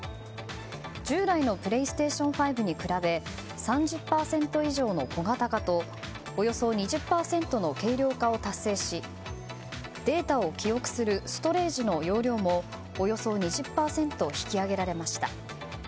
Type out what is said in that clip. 従来のＰｌａｙＳｔａｔｉｏｎ５に比べ３０％以上の小型化とおよそ２０％の軽量化を達成しデータを記憶するストレージの容量もおよそ２０％引き上げられました。